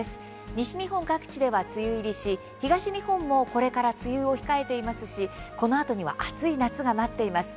西日本各地では梅雨入りし東日本もこれから梅雨を控えていますし、このあとには暑い夏が待っています。